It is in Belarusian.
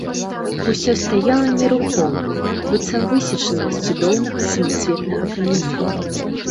Усё стаяла нерухома, быццам высечанае з цудоўнага самацветнага каменю.